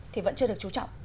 thì vẫn chưa được chú trọng